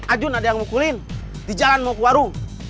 ajun ada yang mukulin di jalan maukwaru